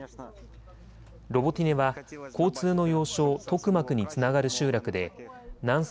ロボティネは交通の要衝トクマクにつながる集落で南西